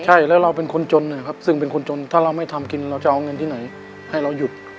ใช่แล้วเราเป็นคนจนนะครับซึ่งเป็นคนจนถ้าเราไม่ทำกินเราจะเอาเงินที่ไหนให้เราหยุด